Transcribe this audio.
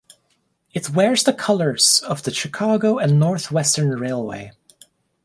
It wears the colors of the Chicago and North Western Railway.